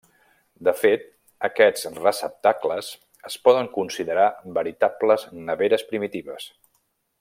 De fet, aquests receptacles es poden considerar veritables neveres primitives.